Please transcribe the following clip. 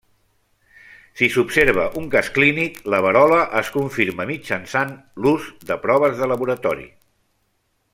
Si s'observa un cas clínic, la verola es confirma mitjançant l'ús de proves de laboratori.